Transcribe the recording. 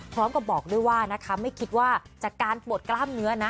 พร้อมกับบอกด้วยว่านะคะไม่คิดว่าจากการปวดกล้ามเนื้อนะ